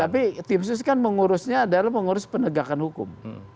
tapi tim sus kan mengurusnya adalah mengurus penegakan hukum